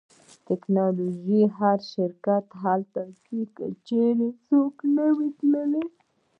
د ټیکنالوژۍ هر شرکت هلته ځي چیرې چې څوک نه وي تللی